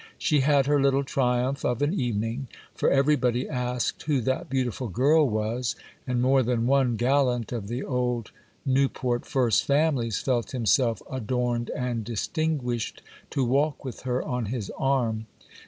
She had her little triumph of an evening; for everybody asked who that beautiful girl was, and more than one gallant of the old Newport first families felt himself adorned and distinguished to walk with her on his arm.